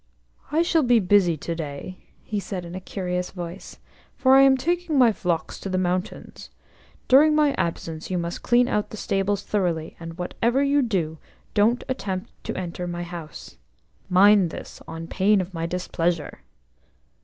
"I shall be busy to day," he said in a curious voice, "for I am taking my flocks to the mountains. During my absence you must clean out the stables thoroughly, and, whatever you do, don't attempt to enter my house. Mind this, on pain of my displeasure."